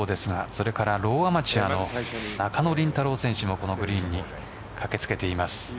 それからローアマチュアの中野麟太朗選手もグリーンに駆け付けています。